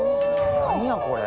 何やこれ。